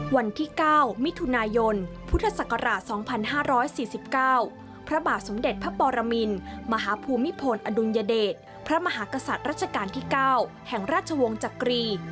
วันที่๙มิถุนายนพุทธศักราช๒๕๔๙พระบาทสมเด็จพระปรมินมหาภูมิพลอดุลยเดชพระมหากษัตริย์รัชกาลที่๙แห่งราชวงศ์จักรี